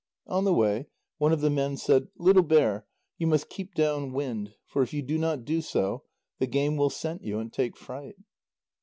On the way, one of the men said: "Little bear, you must keep down wind, for if you do not so, the game will scent you, and take fright."